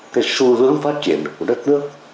cái xu hướng phát triển của đất nước